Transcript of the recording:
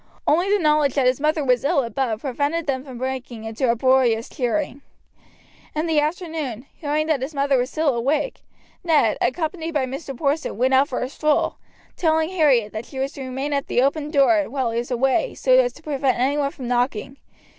Only the knowledge that his mother was ill above prevented them from breaking into uproarious cheering. In the afternoon, hearing that his mother was still awake, Ned, accompanied by Mr. Porson, went out for a stroll, telling Harriet that she was to remain at the open door while he was away, so as to prevent any one from knocking.